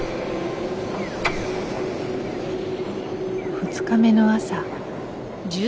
２日目の朝。